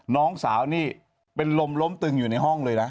น้องสาวนี่เป็นลมล้มตึงอยู่ในห้องเลยนะ